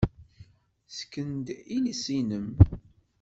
Ssken-d iles-nnem.